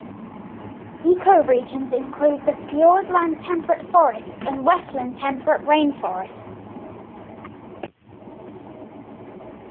Ecoregions include the Fiordland temperate forests and Westland temperate rainforests.